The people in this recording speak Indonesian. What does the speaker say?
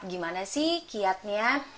gimana sih kiatnya